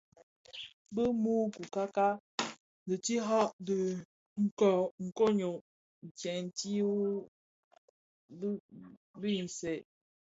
Bi mü coukaka dhi tihaň dhi koň nyô-ndhèti wu bisèè.